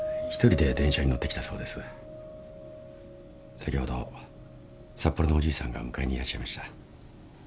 先ほど札幌のおじいさんが迎えにいらっしゃいました。